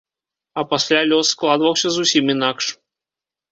А пасля лёс складваўся зусім інакш.